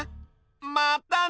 またね！